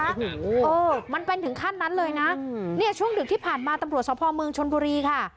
โอ้โหเออมันเป็นถึงขั้นนั้นเลยนะเนี่ยช่วงดึกที่ผ่านมาตำรวจสภเมืองชนบุรีค่ะ